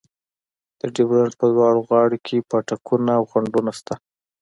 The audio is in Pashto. د ډیورنډ په دواړو غاړو کې پاټکونه او خنډونه شته.